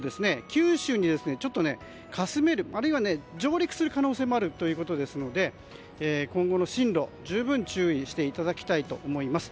九州をかすめる、あるいは上陸する可能性もあるということですので今後の進路、十分注意していただきたいと思います。